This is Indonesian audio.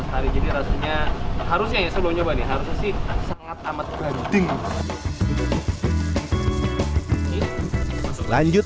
sekali jadi rasanya harusnya sebelum nyoba nih harusnya sih sangat amat berhenti lanjut